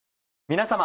皆様。